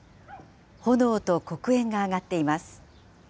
炎と黒煙が上がっています。